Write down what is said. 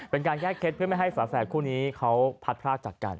เป็นการแยกเคล็ดเพื่อไม่ให้ฝาแฝดคู่นี้เขาพัดพรากจากกัน